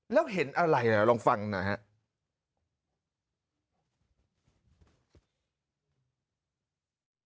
แล้วเห็นอะไรลองฟังหน่อยครับ